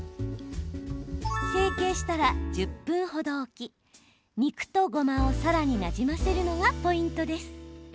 成形したら１０分程置き肉とごまをさらになじませるのがポイントです。